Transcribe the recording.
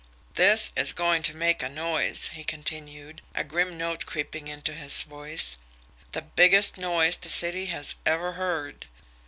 "This is going to make a noise," he continued, a grim note creeping into his voice. "The biggest noise the city has ever heard.